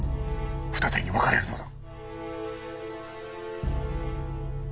二手に分かれるのだ。